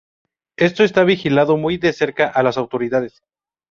Esto está vigilando muy de cerca a las autoridades.